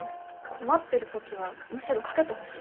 困ってる時はむしろ掛けてほしい。